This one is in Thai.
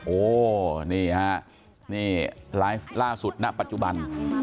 โอ้นี่ฮะนี่ไลฟ์ล่าสุดณปัจจุบัน